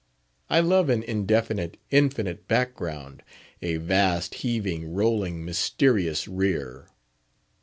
I love an indefinite, infinite background—a vast, heaving, rolling, mysterious rear!